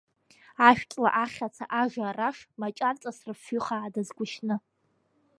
Ашәҵла, ахьаца, ажа, араш, маҷарҵас рыфҩыхаа дазгәышьны.